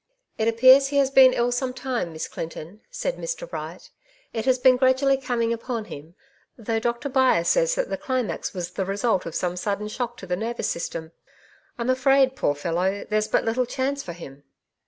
"It appears he has been ill some time. Miss Clinton,^' said Mr. Wright. " It has been gradually coming upon him, though Doctor Byre says that the climax was the result of some sudden shock to the nervous system. I'm afraid, poor fellow, there's but little chance for him."